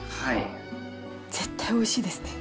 絶対おいしいですね。